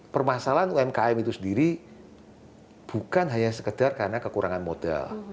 permasalahan umkm itu sendiri bukan hanya sekedar karena kekurangan modal